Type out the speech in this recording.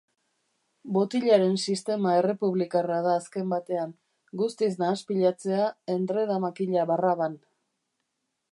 Botilaren sistema errepublikarra da azken batean, guztiz nahaspilatzailea endredamakila barraban.